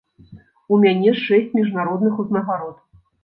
У мяне шэсць міжнародных узнагарод.